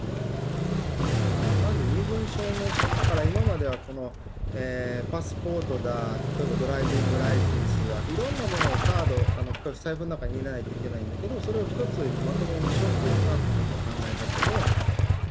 まず身分証明書、だから今まではパスポートだ、例えばドライビングライセンスだ、いろんなものをカード、財布の中に入れないといけないんだけれども、それを一つにまとめましょうというのが、このディーアの考え方で。